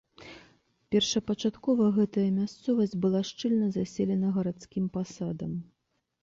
Першапачаткова гэтая мясцовасць была шчыльна заселеным гарадскім пасадам.